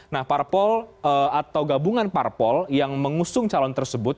nah parpol atau gabungan parpol yang mengusung calon tersebut